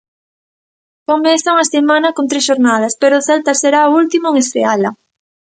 Comeza unha semana con tres xornadas, pero o Celta será o último en estreala.